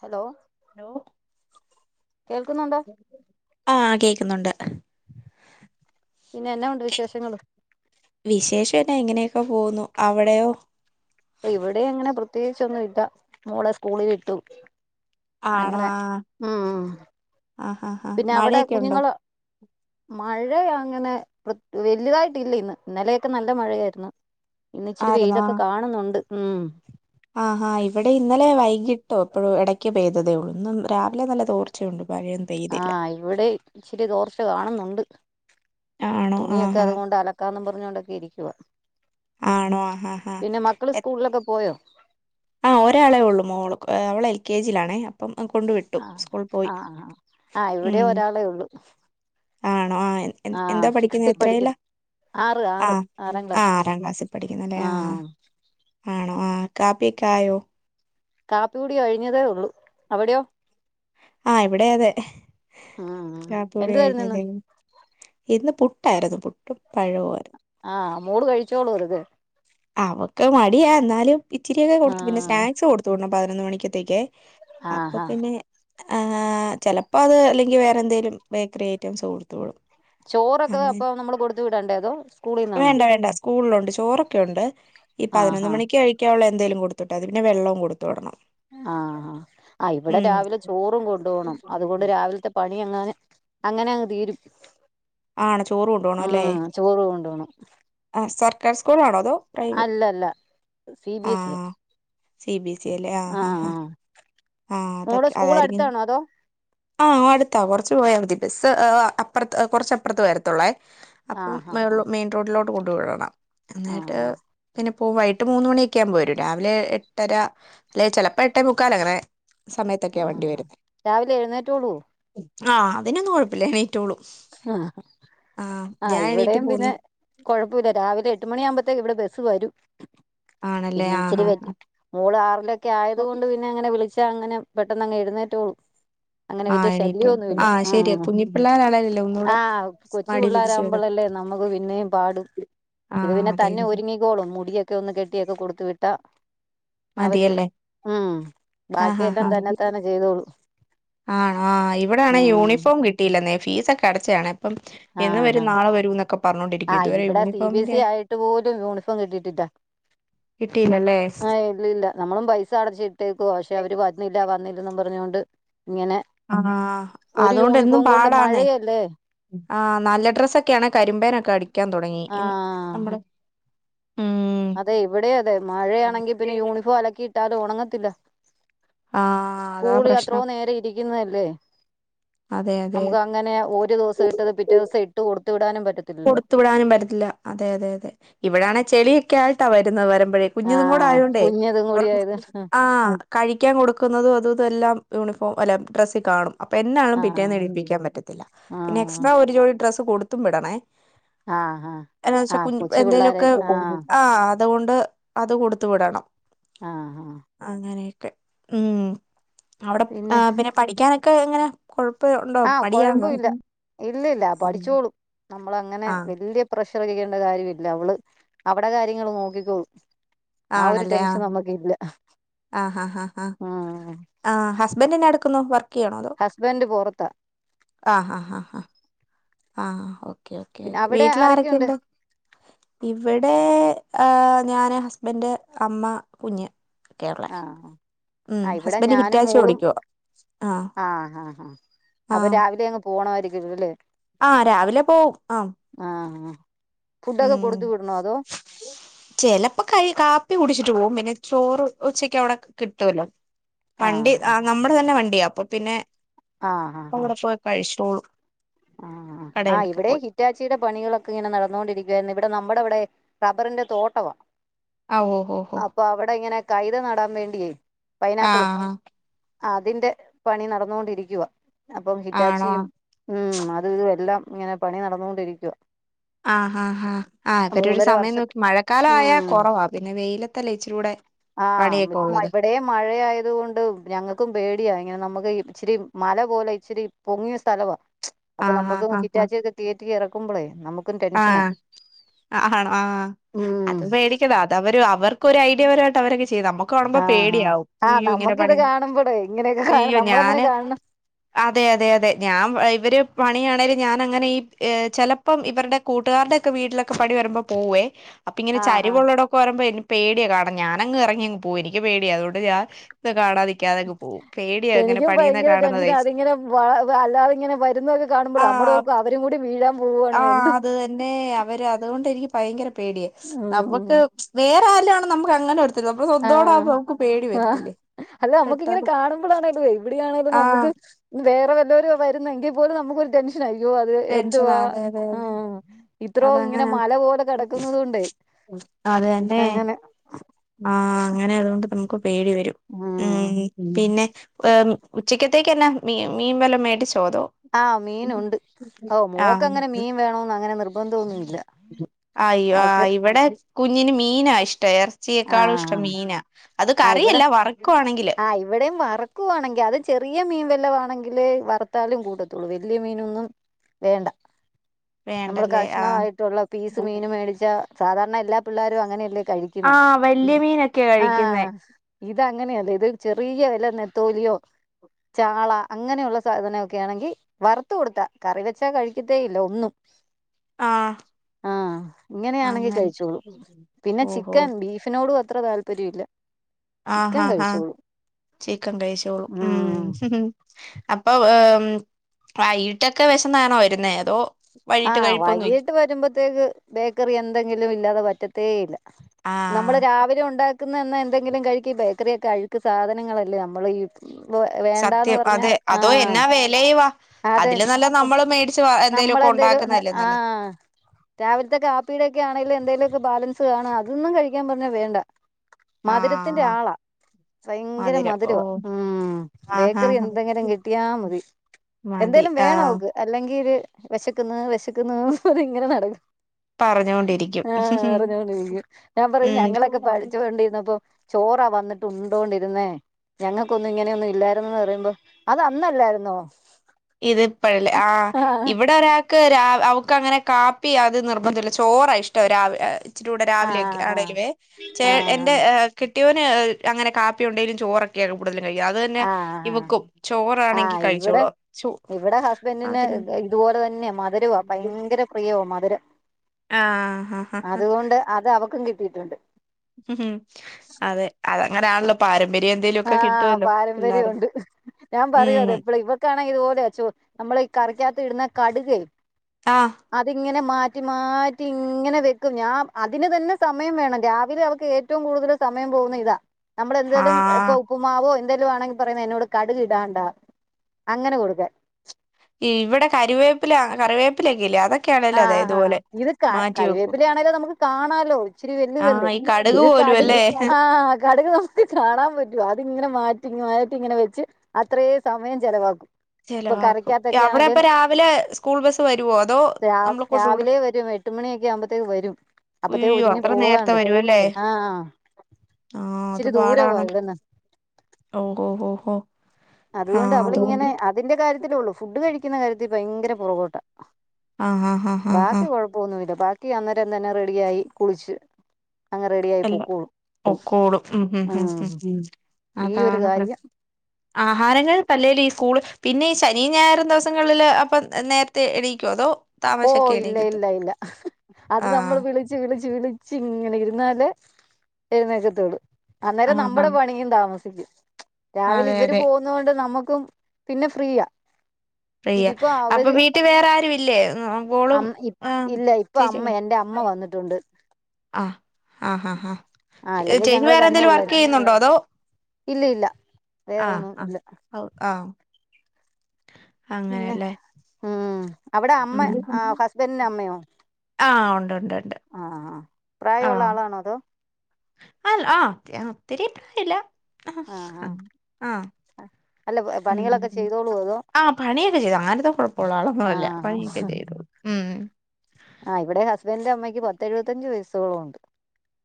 Hello hello കേൾക്കുന്നുണ്ടോ ആ കേക്കുന്നുണ്ട് പിന്നെ എന്നാഉണ്ട് വിശേഷങ്ങള് വിശേഷന്ന ഇങ്ങനെയൊക്കെ പോവുന്നു അവിടെയോ ഇവിടെ അങ്ങനെ പ്രത്യേയിചൊന്നു ഇല്ല മോളെ സ്കൂളിൽ വിട്ടു ആണോ അങ്ങനെ ആഹ് ഉം ആഹ് ആഹ് ആഹ് പിന്നെ അവിടെ മഴയൊക്കെ ഉണ്ടോ കുഞ്ഞുങ്ങള് മഴയാ അങ്ങനെ പ്ര വല്യതായിട്ട്ല്ല ഇന്ന് ഇന്നലെയൊക്കെ നല്ല മഴയായിരുന്നു ഇന്ന് ഇച്ചിരി വെയിലൊക്കെ കാണുന്നുണ്ട് ഉം ആഹാ ഇവിടെ ഇന്നലെ വൈകിട്ടോ പ്പഴോ ഇടയ്ക്ക് പെയ്തതേഒള്ളൂ ഇന്ന് രാവിലെ നല്ല തോർച്ചയുണ്ട് മഴയൊന്നും ആ പെയ്തില്ല ഇവിടെ ഇച്ചിരി തോർച്ച കാണുന്നുണ്ട് ആണോ തുണിയൊക്കെ ആഹ് അത്കൊണ്ട് അലക്കാന്നുംപറഞ്ഞോണ്ടൊക്കെ ഇരിക്കുവ ആഹ് ആണോ ആഹ് ആഹ് പിന്നെ മക്കള് സ്കൂൾലൊക്കെ പോയോ ആ ഒരാളെ ഒള്ളൂ മോള് അവള് എൽ കെജിയിലാണേ അപ്പം അ കൊണ്ട് വിട്ടു ആഹ് സ്കൂൾ പോയി ആഹ് ആഹ് ആഹ് ഇവിടെ ഉം ഒരാളെ ഉള്ളു ആണോ എന്താ ആഹ് പഠിക്കുന്നെ സിക്സ്ത്തിൽ എത്രയില പഠിക്കുന്നു ആറ് ആ ആറ് ആറാം ക്ലാസ് ആറാക്ലാസ്സി പഠിക്കുന്നല്ലേ ആഹ ആഹ് ആണോ ആ കാപ്പിക്കായോ കാപ്പികൂടി കഴിഞ്ഞതേ ഒള്ളൂ അവിടെയോ ആ ഇവിടെ അതെ ഉം കാപ്പികുടി എന്തുവായിരുന്നു ഇന്ന് കഴിഞ്ഞതേള്ളൂ ഇന്ന് പു. ട്ടായിരുന്നു പുട്ടും പഴവുആരുന്നു ആഹ് മോള് കഴിച്ചോളൂ വെറുതെ അവക്ക് മടിയ എന്നാലും ഇച്ചിരിയൊക്കെ കൊടുത്തു പിന്നെ ആഹ് സ്നാക്സ് കൊടുത്വിടണം പതിനൊന്ന് മണിക്കത്തേക്ക് അപ്പൊ ആഹാ പിന്നെ ആ ചെലപ്പോ അത് അല്ലെങ്കി വേറെഎന്തേലും ബേക്കറിഐറ്റംസ് കൊടുത് വിടും ചോറൊക്കെ അങ്ങനെ അപ്പൊ നമ്മള് കൊടുത്തു വിടണ്ടേ അതോ സ്കൂളിന്നാണോ വേണ്ട വേണ്ട സ്കൂളിലുണ്ട് ചോറൊക്കെ ഉണ്ട് ഈ പതിനൊന്ന് ആഹാ മണിക്ക് കഴിക്കാള്ള എന്തേലും കൊടുത്തിട്ടാതി പിന്നെ വെള്ളവും കൊട്. ആഹാ അ ഇവിടെ ഉം രാവിലെ ചോറും കൊണ്ടോവണം അതുകൊണ്ട് രാവിൽത്തെ പണി എങ്ങാനെ അങ്ങനെ അങ്ങ്തീരും ആണ് ചോറ് കൊണ്ടപോണല്ലേ കൊണ്ട് പോണം ആ സർക്കാർ സ്കൂളാണോ ഓ കഴിവ് അല്ലല്ല സി ബി ആ S E C B S E ആല്ലേ ആ ആഹ് ആ ആഹ് ആഹ മോൾടെ അതൊക്കെ സ്കൂൾ അതായിരിക്കും അടുത്താണോ അതോ ആ അടുത്താവും കുറച്ച പോയാൽ മതി ബസ് അപ്രത്ത് കുറച്ചപ്രത്തു വരത്തുള്ളേ അപ്പം ആഹ് ആഹ് മെയിൻ റോഡിലോട്ട കൊണ്ട് വിടണം എന്നിട്ട് ആഹ് പിന്നെ അപ്പോ വൈകീട്ട് മൂന്ന് മണിയൊക്കെ ആകുമ്പോ വരും രാവിലെ എട്ടര അല്ലെ ചിലപ്പോ എട്ടേ മുക്കാല് അങ്ങനെ സമയത്തൊക്കെയാ വണ്ടി ആഹ് വരുന്നത് രാവിലെ എഴുന്നേറ്റോളൂ ആ അതിനൊന്നും കൊഴപ്പില്ലല്ലേ ആ ആഹ് ഞാൻ എണീറ്റ് ഇവിടെയും പിന്നെ പോന്നു കൊഴപ്പുല്ല രാവിലെ എട്ടുമണിയാകുമ്പോത്തേക്കും ഇവിടെ ബ സ്‌ വരും ആണല്ലേ പിന്നെ ഇച്ചരി ആഹ് മോള് ആറിലൊക്കെ ആയത് ആഹ് കൊണ്ട് പിന്നെ അങ്ങനെ വിളിച്ച പക്ഷേ അങ്ങനെ പെട്ടെന്ന് അങ്ങ് എഴുന്നേറ്റള്ളൂ അങ്ങനെ വലിയ ആഹ് എണീറ്റോ ശല്യോന്നുല്ല ആഹ് ആ ശരിയാ കുഞ്ഞിപ്പിള്ളേരാണേലല്ലേ ആ ഒന്നൂടെ കൊച്ചു മടി പിടിച്ച് കിടക്കും പിള്ളോരകുമ്പോളല്ലേ നമ്മുക്ക് പിന്നേം പാട് ഇത് ആഹ് പിന്നെ അതെ തന്നെ ഒരുങ്ങിക്കോളും മുടിയൊക്കെ ഒന്ന് കെട്ടിയൊക്കെ കൊടുത്തു പിന്നെ ട്ട അവര് മതിയല്ലേ ഉം ബാക്കിയെല്ലാം തന്നെത്താനെ ചെയ്തോളും ആ ആ ഇവിടാണെ ഉം യൂണിഫോം കിട്ടിയില്ലന്നെ ഫീസൊക്കെ അടച്ചയാണേ അപ്പം ഇന്ന് ആഹ് ആഹ് വരും നാളെ വരൂന്നൊക്കെ ആഹ് ഇവിടെ സി ബി എസ് ഇ ആയിട്ട് പോലും യൂണിഫോം കിട്ടിട്ടില്ലാ കിട്ടിയില്ലല്ലേ ആ ഇല്ലില്ല നമ്മളും പൈസ അടച്ചിട്ടേക്കുവാ പക്ഷെ അവര് വരുന്നില്ല വന്നില്ല ന്നും പറഞ്ഞോണ്ട് ഇങ്ങനെ ആ ഹാ ഒരു അതുകൊണ്ടെന്നും യൂണിഫോം കൊണ്ട് പാടാന്നേ മഴയല്ലേ ആ നല്ല ഡ്രസ്സൊക്കെയാണെ കരിമ്പേനൊക്കെ അടിക്കാൻ തുടങ്ങി ആഹ് നമ്മളെ അതെ ഇവിടെ അതെ മഴയാണെങ്കി പിന്നെ യൂണിഫോം അലക്കി ഇട്ടാലും ഉണങ്ങത്തില്ലന്നെ ആഹ് അതാ സ്കൂള് പ്രശ്നം അത്രോം നേരം ഇരിക്കുന്നല്ലേ അതെ അതെ നമുക്കങ്ങനെ ഒരു ദിവസം ഇട്ടത് പിറ്റേ അതെ ദിവസം ഇട്ട് കൊടുത്തു വിടാനും പ കൊടുത്തു വിടാനും പറ്റത്തില്ല അതെ അതെ അതെ ഇവിടെയാണേ ചെളിയൊക്കെ ആയിട്ടാ വരുന്നത് വര മ്പഴേ കുഞ്ഞതും കൂടെ ആഹ് ആയോണ്ടേ കുഞ്ഞതും കൂടി അവർക്ക് ആയത് ആ കഴിക്കാൻ കൊടുക്കുന്നതും അതും ഇതും എല്ലാം യൂണിഫോം അല്ല ഡ്രസ് കാണും അപ്പ എന്നാണേലും ആഹ് പിറ്റേന്നിടീപ്പിക്കാൻ പറ്റത്തില്ല പിന്നെ ആഹ് എക്സ്ട്രാ ഒരു ജോടി ഡ്രസ് കൊടുത്തും വിടണേ ആഹ് ആഹ് എന്നാണെന്ന് ആഹ് വെച്ചാ കൊച്ചു പിള്ളോരെ എന്തേലുമൊക്കെ കു ആഹ് ആ അതുകൊണ്ട് അത് കൊടുത്തു വിടണം ആ ആ അങ്ങനെയൊക്കെ ഉം അവിടെ ആ പിന്നെ പഠിക്കാനൊക്കെ എങ്ങനാ കുഴ ആ കൊഴപ്പുല്ല ഇല്ലില്ല പഠിച്ചോളും നമ്മളങ്ങനെ ആഹ് വലിയ പ്രഷറടിക്കേണ്ട കാര്യമില്ല അവള് അവടെ കാര്യങ്ങള് നോക്കിക്കോളും ആ ഒരു ടെൻഷൻ നമ്മക്കില്ല ആ ഹാ ആ ഹാ ഉം ആ ഹസ്ബൻഡ് എന്നടുക്കുന്നു വർ ഹസ്ബൻഡ് പുറത്താ ആ ഹാ ഹാ ഹാ ആ ഓ ഓക്കേ ഓക്കേ പിന്നെ അവിടെ വീട്ടിൽ ആരൊക്കെയുണ്ട് ആരൊക്കെയിണ്ട് ഇവിടെ ഏ ഞാന് ഹസ്ബൻഡ് അമ്മ കുഞ്ഞ് ഒക്കെയുള്ളേ ആ ഉം ആ ഇവിടെ ഹസ്ബൻഡ് ഞാനും ഹിറ്റാച്ചി മോളും ഓടിക്കുവ ആഹ് ആ ഹാ ഹാ അപ്പൊ രാവിലെ അങ്ങ് പോ പോണമായിരിക്കൂലല്ലേ ആ രാവിലെ പോവും ആ ആഹ് ഫുഡൊക്കെ ഉം കൊടുത്തു വിടണോ അതോ ചെലപ്പോ കൈ കാപ്പി കുടിച്ചി റ്റൂ മിനിറ്റ് ചോറ് ഉച്ചക്കവിടെ കിട്ടുവല്ലോ വണ്ടി ആഹ് ആ നമ്മുടെ തന്നെ വണ് അപ്പൊ പിന്നെ അങ്ങടെ പോയി കഴിച്ചോളും ആ ആ കടയിലൊക്കെ ഇവിടെ പോയി ഹിറ്റാച്ചിയുടെ പണികളൊക്കെ ഇങ്ങനെ നടന്നുകൊണ്ടിരി ഇവിടെ നമ്മുടെ ഇവിടെ റബ്ബറിന്റെ തോട്ടവാ ആഹ് ഓഹ് ഓഹ് ഓഹ് അപ്പൊ അവിടെ ഇങ്ങനെ കൈത നടാൻ വേണ്ടിയെ ആ ഹാ അതിന്റെ പണി നടന്നുകൊണ്ടിരിക്കുവാ അപ്പം ആണോ ഹിറ്റാച്ചിയും ഉം അത് ഇത് ആഹ് ആ ആ ആ അവരൊരു സമയം നോക്കി മഴക്കാലം ആയാ ഉം കൊറവാ പിന്നെ വെയിലത്തല്ല ഇച്ചിരി കൂടെ ആ ഇപ്പ ഇവിടെ മഴയായത് കൊണ്ട് ഞങ്ങൾക്കും പേടിയാ ഇങ്ങനെ നമ്മുക്ക് ഇച്ചിരി മല പോലെ ഇച്ചിരി പൊങ്ങിയ സ്ഥലമാണ് അപ്പൊ ആഹ് ആഹ് നമുക്ക് ആഹ് ഹിറ്റാച്ചിയൊക്കെ കേറ്റി ഇറ- ടെൻഷനാ ആ ആണോ ആ ഉം അത് പേടിക്കണ്ട അത് അവര് അവർക്ക് ഒരു ഐഡിയപരമായിട്ട് അവരൊക്കെ ചെയ്തു നമ്മു കാണുമ്പോ ആഹ് ആഹ് പേടിയാവും ആഹ് ഇയ്യോ ഇങ്ങനെ നമ്മുക്കിത് പണി കാണുമ്പോഴേ ഇങ്ങനെയൊക്കെ കാണ അയ്യോ നമ്മളങ്ങനെ ഞാന് കാണണം അതെ അതെ അതെ ഞാൻ ഇവര് പണിയാണെലും ഞാൻ അങ്ങനെ ഈ ചിലപ്പോം ഇവരുടെ കൂട്ടുകാരുടെ ഒക്കെ വീട്ടിലൊക്കെ പണി വരുമ്പോ പോകുവേ അപ്പൊ ഇങ്ങനെ ആഹ് ആഹ് ചരിവള്ളോടൊക്കെ വരുമ്പോ എനി- പേടിയാണ് കാരണം ഞാനങ്ങ് ഇറങ്ങിങ് പോകും എനിക്ക് പേടിയ അതുകൊണ്ട് ഞാൻ കാണാതിക്കാതങ്ങ് പോവും പേടിയാ ഇങ്ങനെ എനിക്കും പണിയുന്ന ഭയങ്കര ടെൻഷന കാണുന്നതേ അതിങ്ങനെ അല്ലാതെ ഇങ്ങനെ വരുന്നൊയൊക്കെ കാണുമ്പോൾ നമ്മൾ ഓർക്കും ആഹ് അവരും കൂടി വീഴാൻ പോവാണോ ആഹ് എന്ത് അത് തന്നെ അവര് അതുകൊണ്ട് എനിക്ക് ഭയങ്കര പേടിയാ ഉം ഉം നമക്ക് വേറെ ആരാലും ആണെ നമുക്ക് അങ്ങനെ നമ്മടെ ആഹ് സ്വന്തോകൂട്ടാവുമ്പോ നമുക്ക് പേടി ആ വരത്തില്ലേ അല്ല നമ്മുക്ക് ഇങ്ങനെ പെട്ടെന്ന് കാണുമ്പോഴാണെ ഇത് വരും എവിടെയാണേും നമുക്ക് ആഹ് വേറെ വല്ലോരുവാ വരുന്നെങ്കിൽ പോലും നമുക്കൊരു ടെൻഷൻ ആയി അയ്യോ അത് ടെൻഷനാ എന്തുവാ അതെ അതെ ആ ഇത്രോ ഇങ്ങനെ അതങ്ങനാ മല പോലെ കിടക്കുന്നത് കൊണ്ട് അത് തന്നെ ആ അങ്ങനെ ആതുകൊണ്ട് നമുക്ക് പേടി വരും ഉം പിന്നെ ഉച്ചക്കത്തേക്ക്ന്നെ മീ മീൻ വല്ലാം മേടിച്ച് ആഹ് മീനുണ്ട് ഓ മോക്ക് ആഹ് അങ്ങനെ മീൻ വേണന്ന് അങ്ങനെ നിർബന്ധം ഒന്നും ഇല്ല അയ്യോ ഇവിടെ കുഞ്ഞന് മീനാ ഇഷ്ടം ഇറച്ചിയെക്കാളും ഇഷ്ടം ആഹ് മീനാ അത് ആഹ് ഇവിടെ കറിയല്ല വറക്കു ആഹ് ഇവിടെയും വറക്കുവാണെങ്കിൽ അത് ചെറിയ മീൻ വെല്ലവാണെങ്കിൽ വറു- വറുത്താലും കൂടത്തുള്ളൂ വലിയ മീനൊന്നും വേണ്ട നമ്മള് വേണ്ടല്ലേ ആഹ് കഷ്ണമായിട്ടുള്ള പീസ് മീൻ മേടിച്ച സാധാരണ എല്ലാ പിള്ളാരും അങ്ങനെയല്ലേ കഴിക്കുന്നെ ആഹ് വല്യ മീനൊക്കെയാ ആ കഴിക്കുന്നേ ഇതങ്ങനെ അല്ല ചെറിയ വല്ല നെത്തോലിയോ ചാള അങ്ങനെയുള്ള സാധനൊക്കെ ആണെങ്കി വറുത്ത് കൊടുത്താ കറി വെച്ചാ കഴിക്കത്തേ ഇല്ല ഒന്നും ആ ഇങ്ങനെയാണെങ്കിൽ കഴിച്ചോളും പിന്നെ ഓഹോ ചിക്കൻ ബീഫിനോടും അത്ര താല്പര്യം ഇല്ല ആ ചിക്കൻ ആ ആ കഴിച്ചോളും ചിക്കൻ കഴിച്ചോളും ഉം ഉം അപ്പൊ വൈകിട്ടൊക്കെ വിശന്നാണോ വരുന്നേ അതോ വൈകിട്ട് ആഹ് കഴിപ്പൊന്നുല്ല വൈകീട്ട് വരുമ്പോത്തേക്ക് ബേക്കറി എന്തെങ്കിലും ഇല്ലാതെ പറ്റത്തേ ഇല്ല നമ്മള് ആഹ് രാവിലെ ഉണ്ടാക്ക ക്കുന്ന എന്തെങ്കിലും കഴിക്ക ഈ ബേക്കറി ഒക്കെ അഴുക്ക് സാധനങ്ങളല്ലേ നമ്മൾ ഈ- ഇവ വേണ്ടാന്ന് സത്യം പറഞ്ഞ അതെ ആ അതോ എന്നാ വെലയുവാ അതെ അതില് നല്ലത് നമ്മള് മേടിച്ച് നമ്മള് എന്തേലുവൊക്കെ എന്തെലും ഉണ്ടാക്കുന്നതല്ലേ ആ നല്ലത് രാവിലത്തെ കാപ്പീടെക്കെ ആണെങ്കലും എന്തെലുമക്കെ ബാലൻസ് കാണും അതൊന്നും കഴിക്കാൻ പറഞ്ഞാ വേണ്ട മധുരത്തിന്റെ ആഹ് ആളാ ഭയങ്കര മധുരം ഓ മധുരവ ഉം ആഹ് ബേക്കറി ആഹ് എന്തെങ്കിലും കിട്ടിയാ മതി മതി എന്തായാലും വേണം ആഹ് അവക്ക് അല്ലെങ്കിൽ ഒരു വിശക്കുന്നു വിശക്കുന്നു പറഞ്ഞ് അത് ഇങ്ങനെ നടക്കും പറഞ്ഞോണ്ടിരിക്കും ആ പറഞ്ഞോണ്ടിരിക്കും ഞാൻ പറയും ഞങ്ങളൊക്കെ ഉം പഠിച്ചോണ്ടിരുന്നപ്പോ ചോറാ വന്ന് വന്നിട്ട് ഉണ്ടോണ്ടിരുന്നേ ഞങ്ങൾക്കൊന്നും ഇങ്ങനെയൊന്നും ഇല്ലായിരുന്നന്ന് പറയുമ്പോ അത് അന്നല്ലായിരുന്നോ ഇത്പ്പോഴല്ലേ ആഹ് ഇവിടെ ഒരാൾക്ക് രാ- അവക്ക് അങ്ങനെ കാപ്പി അത് നിർബന്ധമില്ല ചോറാ ഇഷ്ടം ഒരു രാവി- റ്റൂടെടെ രാവിലെ ആഹ് ആണെങ്കിലെ ആഹ് എൻ എന്റെ ആഹ് ചേ കെട്ടിയോനണെങ്കില കെട്ടിയോന് അങ്ങനെ കാപ്പിയുണ്ടെങ്കിലും ചോറൊക്കെയാണ് കൂടുതൽ കഴിക് ആത് തന്നെ ആഹ് ഇവൾക്കും ചോറാണെങ്കി ആഹ് ഇവിടെ കഴിച്ചോളും ഇവിടെ ഹസ്ബൻഡിന് ഇതുപോലെ തന്നെ മധുരവാ ഭയങ്കര പ്രിയവാ മധുരം. ആഹ് ഹ ഹ ഹ അതുകൊണ്ട് അത് അവക്കും കിട്ടിയിട്ടുണ്ട്. ഉം അതെ അതങ്ങനാണല്ലോ പാരമ് ആ പാരമ്പര്യോണ്ട്. ഞാൻ ഉം പറയുവത് എപ്പളെ ഇവക്കാണെങ്കി ഇത്പോലെയാച്ചോ നമ്മളീ കറിക്കാത്തിടുന്ന കടുകേ ആഹ് അതിങ്ങനെ മാറ്റി മാറ്റി ഇങ്ങനെ വെക്കും, ഞാൻ, അതിന് തന്നെ സമയം വേണം രാവിലെ അവക്ക് ഏറ്റവും കൂടുതല് സമ സമയം പോന്ന ഇതാ നമ്മൾ എന്തേ ഇപ്പ ആഹ് ഉപ്പ്മാവോ എന്തെലുവാണെങ്കി പറയുന്ന എന്നോട് കടുകിടാണ്ടാ അങ്ങനെ കൊടുക്കാൻ. ഇവിടെ കരിവേപ്പില കറിവേപ്പിലൊക്കെ ഇല്ലേ അതൊക്കെ ആ ആ ഇത് കരിവേപ്പില ആണേലും നമുക്ക് കാണാലോ ഇച്ചിരി ആഹ് വെല്ലുതല്ലേ, ഈ കടുക് ഇത് പോലും കടുക്, അല്ലേ ആ കടുക് നമുക്ക് കാണാൻ പറ്റ്വോ അതിങ്ങനെ മാറ്റ റ്റിങ്ങുമാറ്റിങ്ങനെ വെച്ച് അത്രേം സമയം ചെലവാക്കും. ഇപ്പൊ ചെലവാക്കും, കറിക്കാത്തൊക്കെ അവിടെ അപ്പ രാവിലെ സ്കൂൾ ബസ്സ് വരുവോ അതോ? ര നമ്മള് കൊണ്ട് വിട രാവിലെ വരും എട്ട്മണിയൊക്കെ ആകുമ്പത്തേക്ക് വരും. അപ്പത്തെ ഉയ്യോ ഒരുങ്ങി അത്ര നേരത്തെ പോകാണ്ട് വരുവല്ലേ ആ. ഇച്ചിരി ദൂരവാ ഇവിടെന്ന്. ഓ ഓ ഓ ഓ അതുകൊണ്ട് അവളിങ്ങനെ അതിന്റെ കാര്യത്തിലേ ഉള്ളു ഫുഡ് കഴിക്കുന്ന കാര്യത്തി ഭയങ്കര പുറകോട്ടാ. ആഹ് ആഹ് ആഹ് ആഹ് ബാക്കി ആഹ് കൊഴപ്പൊന്നുവില്ല ബാക്കി ക്കി അന്നരം തന്നെ റെഡിയായി കുളിച്ചു അങ്ങ് റെഡി ആയി അല്ല പോക്കോളും. പൊക്കോളും ഉം ഉം ആ. ഉം ഉം ഉം ഈ ഒരു അതാണ് പ്ര കാര്യം. ആഹാരങ്ങൾ പ്പല്ലേല് ഈ സ്കൂള്, പിന്നെ ഈ ശനിം ഞായറും ദിവസങ്ങളില് അപ്പം നേരത്തെ എണീക്കോ അതോ? ഓ താമസിച്ചൊക്കെ ഇല്ല എണീക്കത്തൊ ഇല്ല ഇല്ല അത് ആഹ് നമ്മള് വിളിച്ചു വിളി ച്ച് വിളിച്ച് ഇങ്ങനെ ഇരുന്നാലേ എഴുന്നേക്കത്തൊള്ളു അന്നേരം ആഹ് നമ്മുടെ ആഹ് പണിയും താമസി ക്കും. രാവിലെ അതെ ഇവര് അതെ പോകുന്ന കൊണ്ട് നമ്മുക്കും പിന്നെ ഫ്രീയാ. ഫ്രീയ, ഇതിപ്പോ അപ്പൊ അവര് വീട്ടിൽ വേറാരും ഇല്ലേ? മോളും അം ആ ഇല്ല ഇപ്പൊ ചേച്ചി അമ്മ എന്റെ അമ്മ വന്നിട്ടുണ്ട് ആ ആ ഹാ ഹാ ആ അല്ലെങ്കിൽ ചേച്ചി വേറെ എന്തേലും വർക്ക് ചെയ്യുന്നുണ്ടോ അതോ? ഇല്ലില്ല. ആ ആ ഔ ആ പിന്നെ അങ്ങനെയല്ലേ? ഉം അവിടെ അമ്മ ആ ഹസ്ബന്റിന്റെ അമ്മയോ? ആ ഒണ്ടൊണ്ടൊണ്ട്. പ്രായോള്ള ആളാണോ അതോ? അൽ ആ ഒത്തിരി പ്രായില്ല ആ ആ ആ. അല്ല ഉം പണികളൊക്കെ ചെയ്തോളൂ അതോ ആ പണിയൊക്കെ ചെയ്തോളും അങ്ങനത്തെ കൊഴപ്പുള്ള ആ ആളൊന്നുമല്ല പണിയൊക്കെ ചെയ്തോളും. ഉം ആ ഇവിടെ ഹസ്ബൻഡിന്റമ്മയ്ക്ക് പത്ത് എഴുപത്തഞ്ചു വയസ്സോളം ഉണ്ട്.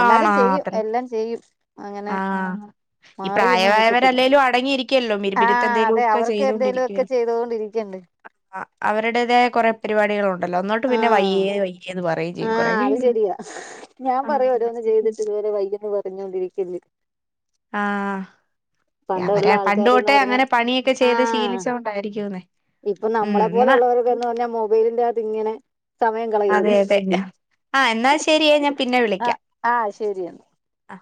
എന്നാലും ആണോ ചെയ്യും അത്ര എല്ലാം ചെയ്യും അങ്ങനെ ആഹ് ഈ മാറിയൊന്നും നീക്കത്തില്ല, പ്രായമായവരല്ലേലും അടങ്ങിയിരിക്കുവല്ലോ ആ മിരുമിരുത്ത് എന്തേലും അതെ ഒക്കെ അവർക്ക് എന്തേലുവൊക്കെ ചെയ്തോണ്ടിരിക്കണ്ടെ. അ അവരുടേതായ കുറെ പരിപാടികളു ണ്ടല്ലോ ഒന്നോട്ട് പിന്നെ വയ്യേ ആഹ് വയ്യേന്ന് പറയെം ചെയ്യും കൊറേ ആഹ് അത് കഴിയുമ്പം. ശരിയാ ഞാൻ പറയും ഓരോന്ന് ചെയ്തിട്ട് ഇതുപോലെ വയ്യെന്ന് പറഞ്ഞോണ്ടിരിക്കല്ല് ആ അവരാ പണ്ടുതോട്ടെ പറഞ്ഞാ അങ്ങനെ പണിയൊക്കെ ചെയ്ത് ആഹ് ശീലിച്ച കൊണ്ടായിരിക്കൂന്നേ. ഇപ്പൊ നമ്മളെ പോലെ ഉള്ളവർക്കന്ന് പറഞ്ഞാൽ മൊബൈലിന്റാത് ഇങ്ങനെ സമയം കളയുവല്ലേ. ആ എന്നാ ശരിയേ ഞാൻ പിന്നെ വിളിക്കാം, ആഹ് ശരിയെന്നാ ആ